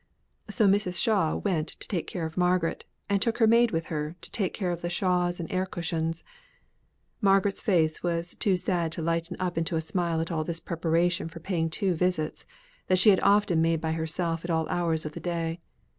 So Mrs. Shaw went to take care of Margaret and took her maid with her to take care of the shawls and air cushions. Margaret's face was too sad to lighten up into a smile at all this preparation for paying two visits, that she had often made by herself at all hours of the day.